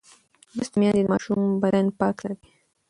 لوستې میندې د ماشوم بدن پاک ساتي.